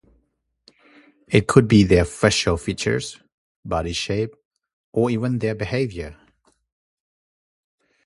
It could be their facial features, body shape, or even their behavior.